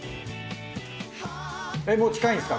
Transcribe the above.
えっもう近いんですか？